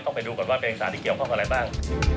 ไปดูก่อนว่าเป็นเอกสารที่เกี่ยวข้องอะไรบ้าง